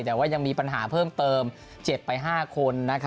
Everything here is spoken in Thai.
แต่ว่ายังมีปัญหาเพิ่มเติมเจ็บไป๕คน